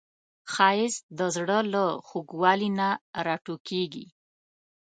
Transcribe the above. ښایست د زړه له خوږوالي نه راټوکېږي